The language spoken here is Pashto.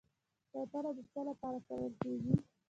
شوتله د څه لپاره کرل کیږي؟